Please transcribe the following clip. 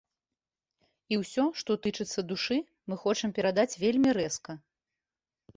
І ўсё, што тычыцца душы, мы хочам перадаць вельмі рэзка.